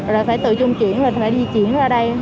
rồi phải tự chung chuyển rồi phải di chuyển ra đây